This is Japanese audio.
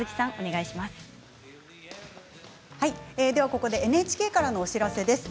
ここでＮＨＫからのお知らせです。